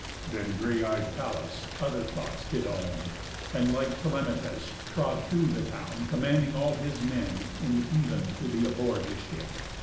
Then grey eyed Pallas other thoughts did own, And like Telemachus trod through the town, Commanding all his men in th' even to be Aboard his ship.